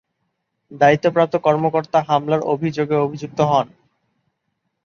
দায়িত্বপ্রাপ্ত কর্মকর্তা হামলার অভিযোগে অভিযুক্ত হন।